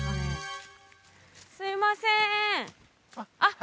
すいませんあっ